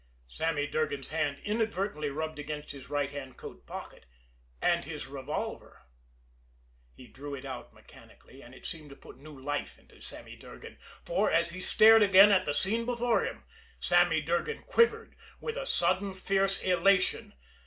Sammy Durgan's hand inadvertently rubbed against his right hand coat pocket and his revolver. He drew it out mechanically, and it seemed to put new life into Sammy Durgan, for, as he stared again at the scene before him, Sammy Durgan quivered with a sudden, fierce elation.